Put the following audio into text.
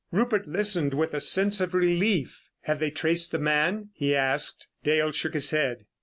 Rupert listened with a sense of relief. "Have they traced the man?" he asked. Dale shook his head.